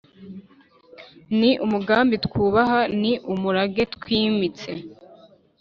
ni umugambi twubaha, ni umurage twimitse